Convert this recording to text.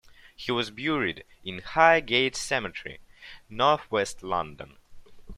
He was buried in Highgate Cemetery, northwest London.